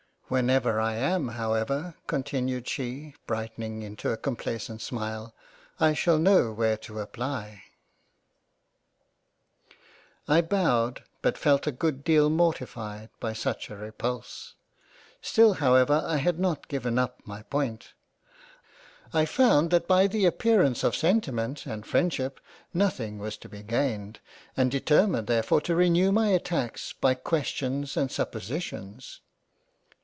Whenever I am however continued she brightening into a complaisant smile, I shall know where to apply." 1x6 |K A COLLECTION OF LETTERS J I bowed, but felt a good deal mortified by such a repulse ; still however I had not given up my point. I found that by the appearance of sentiment and Freindship nothing was to be gained and determined therefore to renew my attacks by Questions and suppositions.